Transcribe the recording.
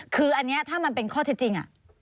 คืออันนี้ถ้ามันเป็นข้อเท็จจริง